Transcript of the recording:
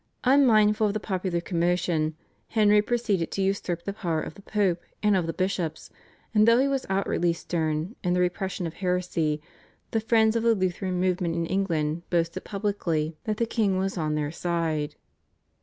Unmindful of the popular commotion, Henry proceeded to usurp the power of the Pope and of the bishops, and though he was outwardly stern in the repression of heresy, the friends of the Lutheran movement in England boasted publicly that the king was on their side.